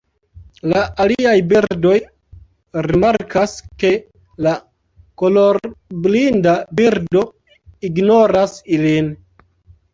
La aliaj birdoj rimarkas ke la kolorblinda birdo ignoras ilin.